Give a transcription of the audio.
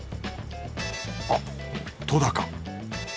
あっとだか。